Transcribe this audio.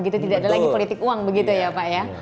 tidak ada lagi politik uang begitu ya pak ya